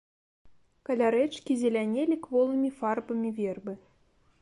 Каля рэчкі зелянелі кволымі фарбамі вербы.